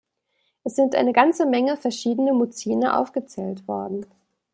Es sind eine ganze Menge verschiedene Muzine aufgezählt worden.